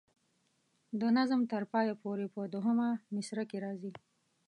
د نظم تر پایه پورې په دوهمه مصره کې راځي.